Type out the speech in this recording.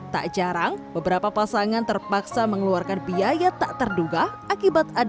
tak jarang beberapa pasangan terpaksa mengeluarkan biaya tak terduga akibat adanya